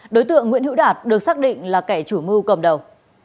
đối tượng nguyễn hữu đạt được xác định là kẻ chủ mưu cầm đầu